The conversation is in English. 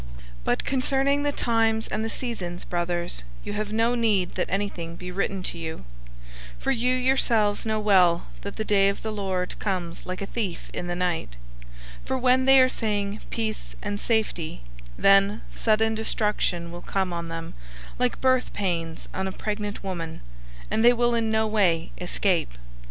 005:001 But concerning the times and the seasons, brothers, you have no need that anything be written to you. 005:002 For you yourselves know well that the day of the Lord comes like a thief in the night. 005:003 For when they are saying, "Peace and safety," then sudden destruction will come on them, like birth pains on a pregnant woman; and they will in no way escape.